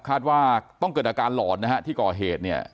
คาดว่าต้องเกิดอาการหลอนนะฮะที่ก่อเหตุเนี่ย